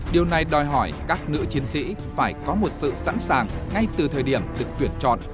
điều này đòi hỏi các nữ chiến sĩ phải có một sự sẵn sàng ngay từ thời điểm được tuyển chọn